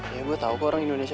ya gue tau kok orang indonesia